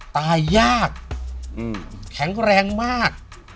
ตายยากแข็งแรงมาก